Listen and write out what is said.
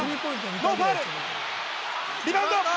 ノーファウル、リバウンド。